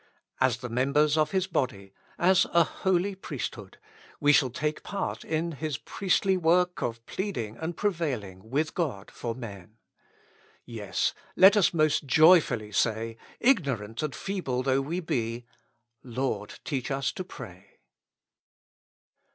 As the members of His body, as a holy priesthood, we shall take part in His priestly work of pleading and prevailing with God for men. Yes, let us most joyfully say, ignorant and feeble though we be, ''Lord, teach us to pray."